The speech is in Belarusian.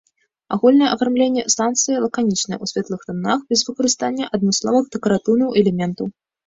Агульнае афармленне станцыі лаканічнае, у светлых танах, без выкарыстання адмысловых дэкаратыўных элементаў.